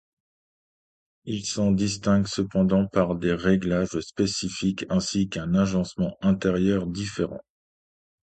Il s'en distingue cependant par des réglages spécifiques ainsi qu'un agencement intérieur différent.